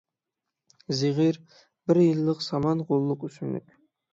زىغىر — بىر يىللىق سامان غوللۇق ئۆسۈملۈك.